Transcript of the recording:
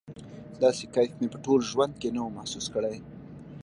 داسې کيف مې په ټول ژوند کښې نه و محسوس کړى.